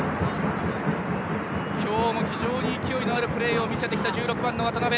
今日も非常に勢いのあるプレーを見せてきた１６番の渡邉！